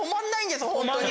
ホントに。